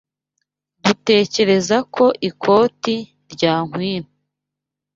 Dutekereza ko ikoti ryankwira.